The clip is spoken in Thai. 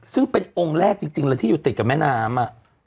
ซึ่งเป็นองค์แรกจริงเลยที่อยู่ติดกับแม่น้ำ